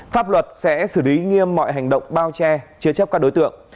pháp luật sẽ xử lý nghiêm mọi hành động bao che chế chấp các đối tượng